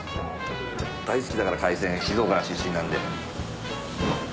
大好きだから海鮮静岡出身なんで。